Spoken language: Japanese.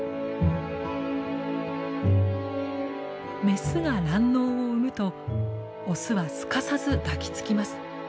メスが卵のうを産むとオスはすかさず抱きつきます。